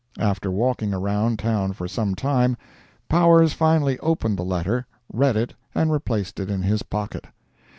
After walking around town for some time, Powers finally opened the letter, read it, and replaced it in his pocket.